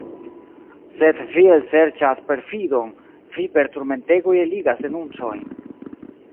Sed vi elserĉas perfidon, vi per turmentegoj eligas denuncojn.